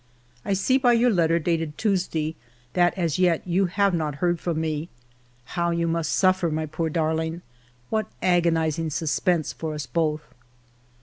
I see by your letter dated Tuesday that as yet you have not heard from me. How you must suffer, my poor darling ! What agonizing sus pense for us both